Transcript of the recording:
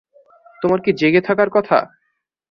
তোমার কি জেগে থাকার কথা?